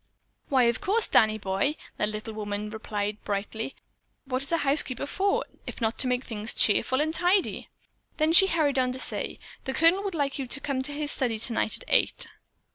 "Why of course Danny boy," that little woman replied brightly. "What is a housekeeper for, if not to make things cheerful and tidy?" Then she hurried on to say, "The Colonel would like you to come to his study tonight at eight."